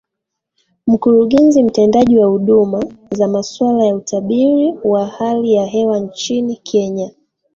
mkurugenzi mtendaji wa huduma za masuala ya utabiri wa hali ya hewa nchini kenya